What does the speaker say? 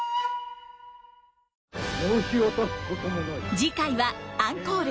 次回はアンコール。